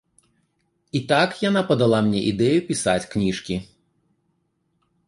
І так яна падала мне ідэю пісаць кніжкі.